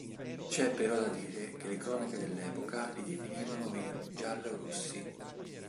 C'è però da dire che le cronache dell'epoca li definivano i "giallo-rossi".